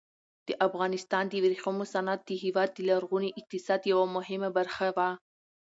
د افغانستان د ورېښمو صنعت د هېواد د لرغوني اقتصاد یوه مهمه برخه وه.